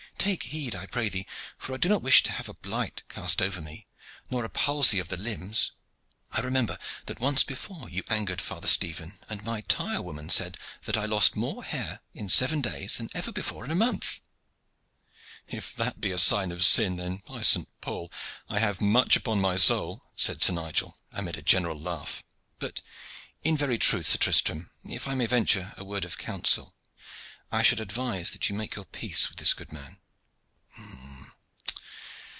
"Take heed, I pray thee, for I do not wish to have a blight cast over me, nor a palsy of the limbs. I remember that once before you angered Father Stephen, and my tire woman said that I lost more hair in seven days than ever before in a month." "If that be sign of sin, then, by Saint Paul! I have much upon my soul," said Sir Nigel, amid a general laugh. "But in very truth, Sir Tristram, if I may venture a word of counsel, I should advise that you make your peace with this good man."